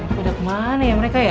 ini pada ke mana ya mereka ya